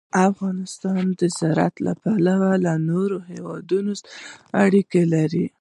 افغانستان د زراعت له پلوه له نورو هېوادونو سره اړیکې لري.